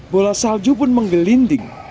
bola salju pun menggelinding